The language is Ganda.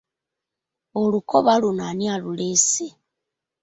Olukoba luno ani aluleese?